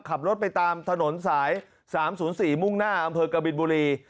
ขับรถไปตามถนนสายสามศูนย์สี่มุ่งหน้าอำเภอกบินบุรี